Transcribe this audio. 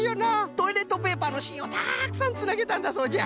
トイレットペーパーのしんをたくさんつなげたんだそうじゃ。